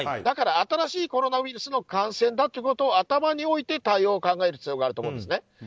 だから新しいコロナウイルスの感染だということを頭に置いて対応を考える必要があると思うんですね。